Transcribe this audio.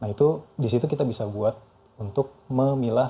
nah itu di situ kita bisa buat untuk memilah